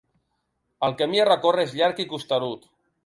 El camí a recórrer és llarg i costerut.